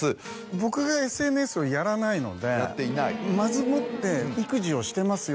僕がＳＮＳをやらないのでまずもって「育児をしてますよ」